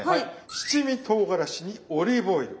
七味とうがらしにオリーブオイル。